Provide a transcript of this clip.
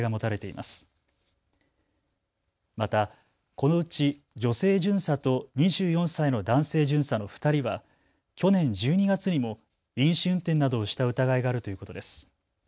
またこのうち女性巡査と２４歳の男性巡査の２人は去年１２月にも飲酒運転などをした疑いがあるということです。